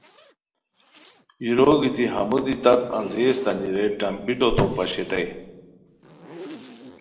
یورو گیتی ہمو دی تت انزے اسیتانی رے ٹمبیٹو تو پاشئیتائے